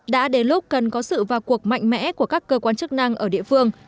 đã đến lúc cần có sự vào cuộc mạnh mẽ của các cơ quan chức năng ở địa phương